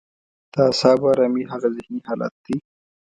د اعصابو ارامي هغه ذهني حالت دی.